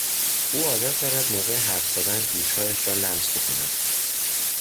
او عادت دارد موقع حرف زدن گوشهایش را لمس بکند.